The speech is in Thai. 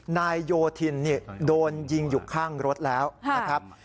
นายโยธินโดนยิงอยู่ข้างรถแล้วนะครับ